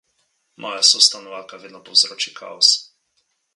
Moja sostanovalka vedno povzroči kaos.